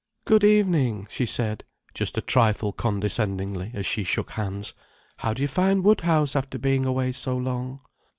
"Good evening!" she said, just a trifle condescendingly, as she shook hands. "How do you find Woodhouse, after being away so long?"